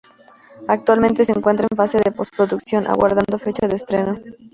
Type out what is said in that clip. Actualmente se encuentra en fase de postproducción, aguardando fecha de estreno.